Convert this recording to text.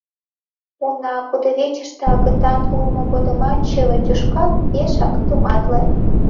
Уна, кудывечыште агытан улмо годымат чыве тӱшка пешак тыматле.